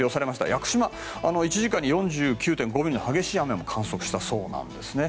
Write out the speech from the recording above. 屋久島では１時間に４９．５ミリの激しい雨も観測したそうなんですね。